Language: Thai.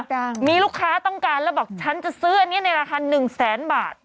จังมีลูกค้าต้องการแล้วบอกฉันจะซื้ออันนี้ในราคาหนึ่งแสนบาท